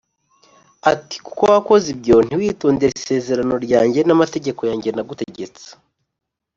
ati “Kuko wakoze ibyo, ntiwitondere isezerano ryanjye n’amategeko yanjye nagutegetse